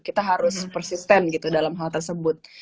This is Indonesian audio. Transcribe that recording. kita harus persisten gitu dalam hal tersebut